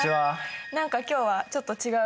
何か今日はちょっと違うね。